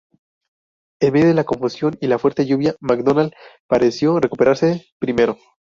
En medio de la confusión y la fuerte lluvia, MacDonald pareció recuperarse primero.